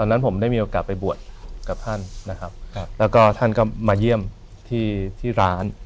แล้วท่านก็มาเยี่ยมที่ร้าน